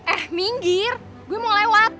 eh minggir gue mau lewat